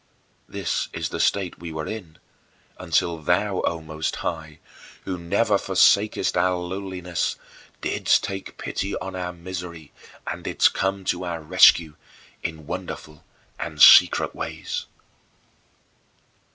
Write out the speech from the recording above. This is the state we were in until thou, O Most High, who never forsakest our lowliness, didst take pity on our misery and didst come to our rescue in wonderful and secret ways.